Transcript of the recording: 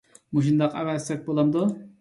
مۇشۇنداق ئەۋەتسەك بولامدۇ؟